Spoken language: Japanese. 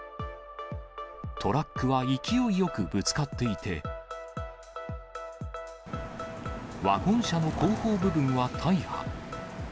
トラックは勢いよくぶつかっていて、ワゴン車の後方部分は大破。